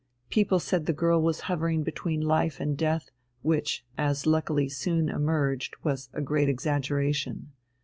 People said the girl was hovering between life and death, which, as luckily soon emerged, was a great exaggeration.